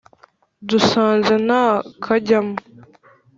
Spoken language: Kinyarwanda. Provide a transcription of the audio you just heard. Dusanze nta kajyamo